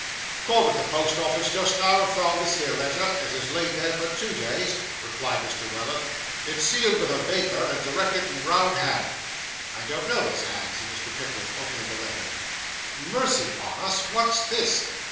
'Called at the post office just now, and found this here letter, as has laid there for two days,' replied Mr. Weller. 'It's sealed vith a vafer, and directed in round hand.' 'I don't know this hand,' said Mr. Pickwick, opening the letter. 'Mercy on us! what's this?